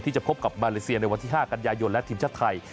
จะพบกับมาเลเซียในวันที่๕กันยายนและทีมชาติไทย